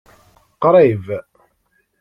Qrib.